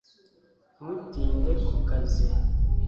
ntutinde ku kazi